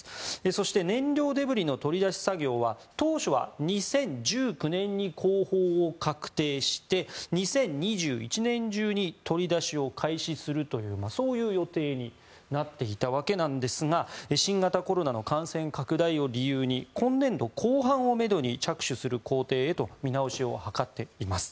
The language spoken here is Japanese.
そして燃料デブリの取り出し作業は当初は２０１９年に工法を確定して２０２１年中に取り出しを開始するというそういう予定になっていたわけなんですが新型コロナの感染拡大を理由に今年度後半をめどに着手する工程へと見直しを図っています。